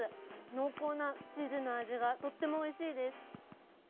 濃厚なチーズの味がとってもおいしいです。